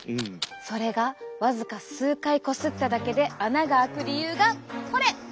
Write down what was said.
それが僅か数回こすっただけで穴があく理由がこれ！